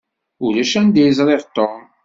Ulac anda i ẓṛiɣ Tom.